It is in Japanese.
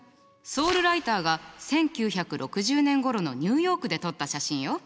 ソール・ライターが１９６０年ごろのニューヨークで撮った写真よ。